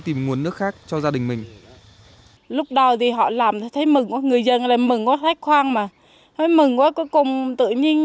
tìm nguồn nước khác cho gia đình mình